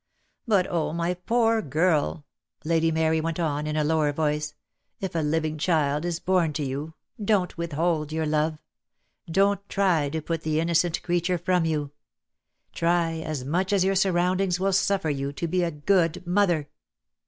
But, oh, my poor girl," Lady Mary went on, in a lower voice, "if a living child is born to you, don't withhold your love; don't try to put the innocent creature from you. Try, as much as your surroundings will suffer you, to be a good mother."